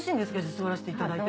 座らせていただいて。